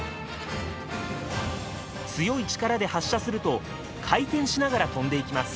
強い力で発射すると回転しながら飛んでいきます。